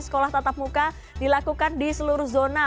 sekolah tatap muka dilakukan di seluruh zona